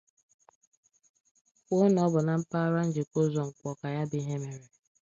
kwuo na ọ bụ na mpaghara njikọ ụzọ Nkpọr ka ya bụ ihe mere